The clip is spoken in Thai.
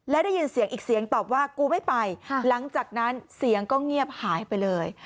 และได้ยินเสียงอีกเสียงตอบว่ากูไม่ไปหลังจากนั้นเสียงก็เงียบหายไปเลย